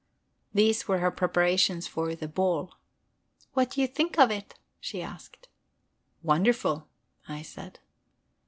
These were her preparations for "the ball." "What do you think of it?" she asked. "Wonderful," I said.